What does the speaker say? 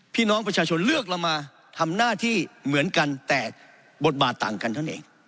พี่น้องประชาชนเลือกเรามาทำหน้าที่เหมือนกันแต่บทบาทต่างกันเท่านั้นเอง